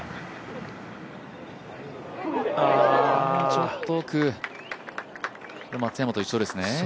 ちょっと奥、松山と一緒ですね。